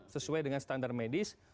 sesuai dengan standar medis